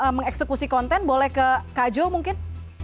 mengeksekusi konten boleh ke kak jo mungkin